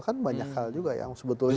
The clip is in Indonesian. kan banyak hal juga yang sebetulnya